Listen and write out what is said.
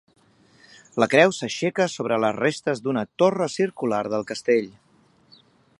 La creu s'aixeca sobre les restes d'una torre circular del castell.